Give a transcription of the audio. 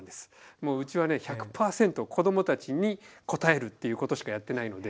もううちはね１００％子どもたちに応えるっていうことしかやってないので。